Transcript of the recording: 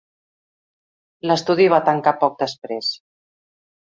L'estudi va tancar poc després.